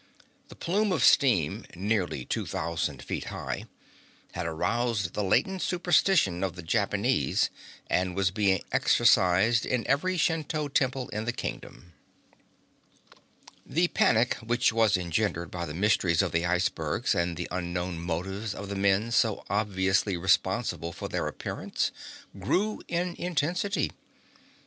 The plume of steam nearly two thousand feet high had aroused the latent superstition of the Japanese and was being exorcised in every Shinto temple in the kingdom. The panic which was engendered by the mysteries of the icebergs and the unknown motives of the men so obviously responsible for their appearance grew in intensity.